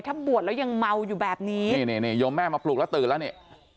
ถ้าบวชแล้วยังเมาอยู่แบบนี้นี่นี่โยมแม่มาปลุกแล้วตื่นแล้วนี่